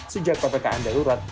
sejak ppkm darurat